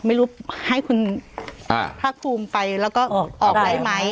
ไม่รู้ให้คุณภาคภูมิไปแล้วก็ออกได้ไหม